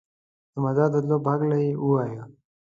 د مزار د تلو په هکله یې ووایه.